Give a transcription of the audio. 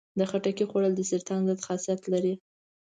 د خټکي خوړل د سرطان ضد خاصیت لري.